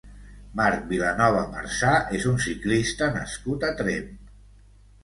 Marc Vilanova Marsà és un ciclista nascut a Tremp.